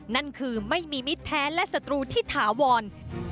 นั่นคือไม่มีมิตรแท้และศัตรูที่ถาวร